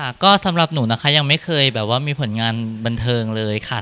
ค่ะก็สำหรับหนูนะคะยังไม่เคยแบบว่ามีผลงานบันเทิงเลยค่ะ